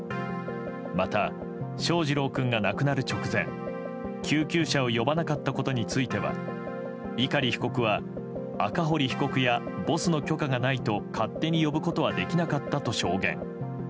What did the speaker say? また翔士郎君が亡くなる直前救急車を呼ばなかったことについては碇被告は赤堀被告や、ボスの許可がないと勝手に呼ぶことはできなかったと証言。